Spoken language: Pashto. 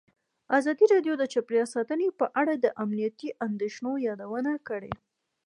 ازادي راډیو د چاپیریال ساتنه په اړه د امنیتي اندېښنو یادونه کړې.